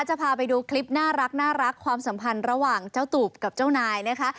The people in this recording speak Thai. จะพาไปดูคลิปน่ารักความสัมพันธ์ระหว่างเจ้าตูบกับเจ้านายนะคะ